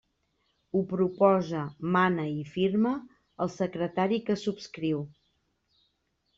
Ho proposa, mana i firma el secretari que subscriu.